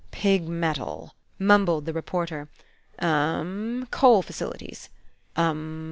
"Pig metal," mumbled the reporter, "um! coal facilities, um!